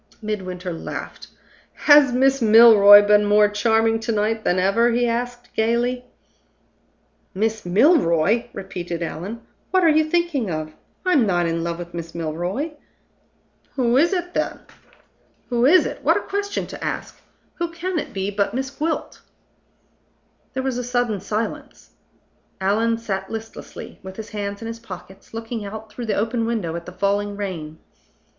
Midwinter laughed. "Has Miss Milroy been more charming to night than ever?" he asked, gayly. "Miss Milroy!" repeated Allan. "What are you thinking of! I'm not in love with Miss Milroy." "Who is it, then?" "Who is it! What a question to ask! Who can it be but Miss Gwilt?" There was a sudden silence. Allan sat listlessly, with his hands in his pockets, looking out through the open window at the falling rain.